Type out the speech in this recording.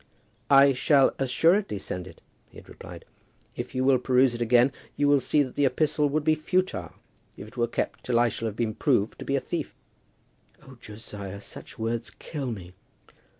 "I shall assuredly send it," he had replied. "If you will peruse it again, you will see that the epistle would be futile were it kept till I shall have been proved to be a thief." "Oh, Josiah, such words kill me."